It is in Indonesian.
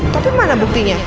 tapi mana buktinya